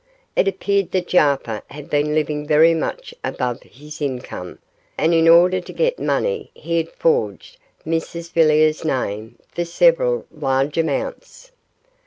It appeared that Jarper had been living very much above his income, and in order to get money he had forged Mrs Villiers' name for several large amounts.